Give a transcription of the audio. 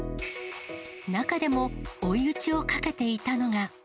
中でも、追い打ちをかけていたのが。